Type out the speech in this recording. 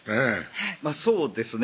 はいそうですね